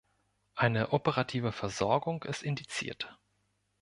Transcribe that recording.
Eine operative Versorgung ist indiziert.